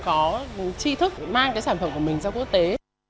có chi thức mang cái sản phẩm của mình ra quốc tế